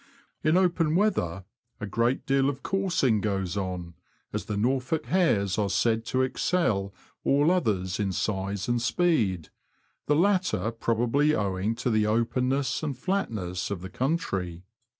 In open weather, a great deal of coursing goes on, as the Norfolk hares are said to excel all others in size and speed, the latter probably owing to the openness and flatness of the country.